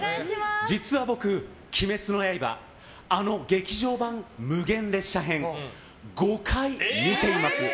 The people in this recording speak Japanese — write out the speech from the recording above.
実は僕、「鬼滅の刃」あの劇場版「無限列車編」５回見ています。